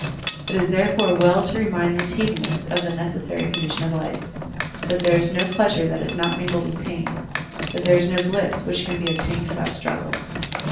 It is therefore well to remind these hedonists of the necessary condition of life, that there is no pleasure that is not mingled with pain, that there is no bliss which can be obtained without struggle.